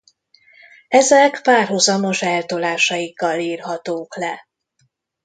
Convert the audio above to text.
Ezek párhuzamos eltolásaikkal írhatók le.